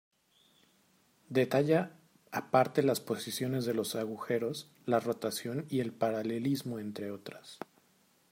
Detalla aparte las posiciones de los agujeros, la rotación y el paralelismo entre otras.